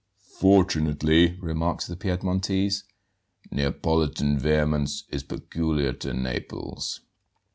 "Fortunately," remarked the Piedmontese, "Neapolitan vehemence is peculiar to Naples."